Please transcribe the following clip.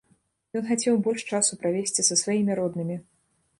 Ён хацеў больш часу правесці са сваімі роднымі.